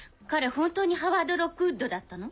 本当にハワード・ロックウッドだったの？